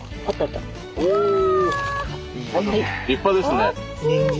立派ですね。